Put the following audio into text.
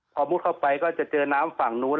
พอมุดเข้าไปก็จะเจอน้ำฝั่งนู้น